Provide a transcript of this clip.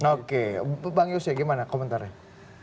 oke bang yose gimana komentarnya